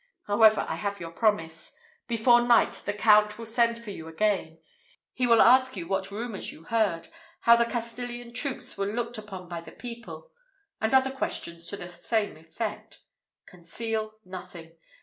However, I have your promise. Before night the Count will send for you again; he will ask you what rumours you heard how the Castilian troops were looked upon by the people and other questions to the same effect. Conceal nothing!